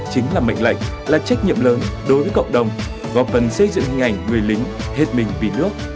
chính là mệnh lệnh là trách nhiệm lớn đối với cộng đồng góp phần xây dựng hình ảnh người lính hết mình vì nước